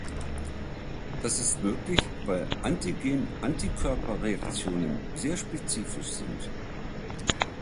Das ist möglich, weil Antigen-Antikörper-Reaktionen sehr spezifisch sind.